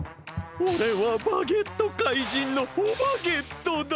おれはバゲットかいじんのオバゲットだ！